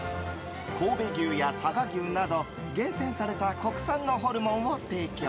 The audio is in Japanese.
神戸牛や佐賀牛など厳選された国産のホルモンを提供。